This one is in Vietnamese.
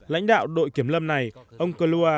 lãnh đạo đội kiểm lâm này ông kalua